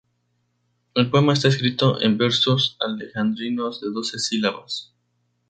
El poema está escrito en versos alejandrinos de doce sílabas.